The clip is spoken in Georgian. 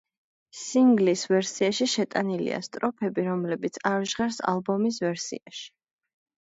სინგლის ვერსიაში შეტანილია სტროფები, რომლებიც არ ჟღერს ალბომის ვერსიაში.